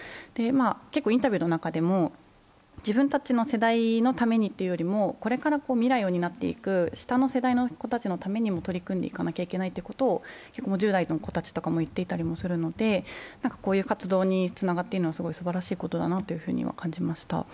結構インタビューの中でも自分たちの世代のためにというよりも、これから未来を担っていく下の世代の子たちのためにも取り組んでいかなきゃいけないということを１０代の子たちも言っていたりするのでこういう活動につながっているのはすばらしいことだと感じました。